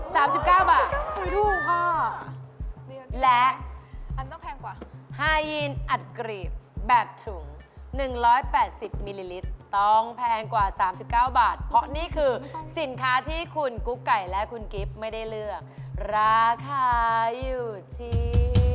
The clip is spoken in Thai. สามสิบเก้าบาททุกข้อและอันต้องแพงกว่าไฮีนอัดกรีบแบบถุงหนึ่งร้อยแปดสิบมิลลิลิตรต้องแพงกว่าสามสิบเก้าบาทเพราะนี่คือสินค้าที่คุณกุ๊กไก่และคุณกิฟต์ไม่ได้เลือกราคาอยู่ที่